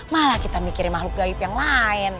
malah kita mikirin makhluk gaib yang lain